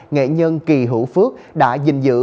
nghệ nhân kỳ hữu phước đã dình dữ